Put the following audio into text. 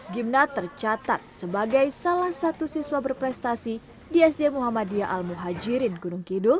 gimna tercatat sebagai salah satu siswa berprestasi di sd muhammadiyah al muhajirin gunung kidul